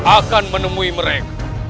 akan menemui mereka